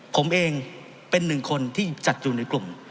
ผมเองเป็นหนึ่งคนที่จัดอยู่ในกลุ่ม